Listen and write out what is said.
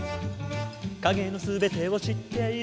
「影の全てを知っている」